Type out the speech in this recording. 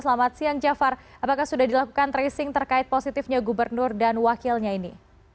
selamat siang jafar apakah sudah dilakukan tracing terkait positifnya gubernur dan wakilnya ini